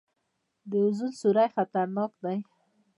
د اوزون سورۍ خطرناک دی